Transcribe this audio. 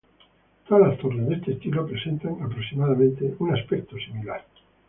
Todas las torres de este estilo presentan, aproximadamente, un aspecto similar.